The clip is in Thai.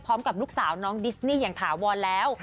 พร้อมกับลูกสาวน้องดิสนี่อย่างถาวรแล้ว